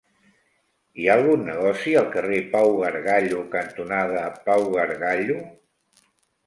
Hi ha algun negoci al carrer Pau Gargallo cantonada Pau Gargallo?